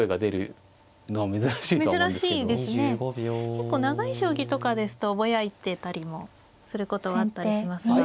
結構長い将棋とかですとぼやいてたりもすることはあったりしますが。